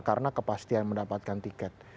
karena kepastian mendapatkan tiket